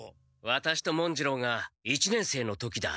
ワタシと文次郎が一年生の時だ。